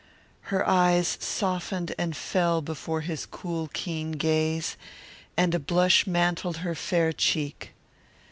Her eyes softened and fell before his cool, keen gaze, and a blush mantled her fair cheek.